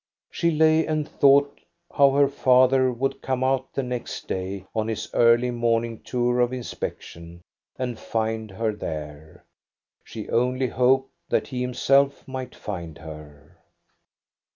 She lay and thought how her father would come out the next day on his early morning tour of inspection and find her there. She only hoped that he himself might find her.